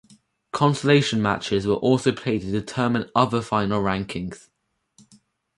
Consolation matches were also played to determine other final rankings.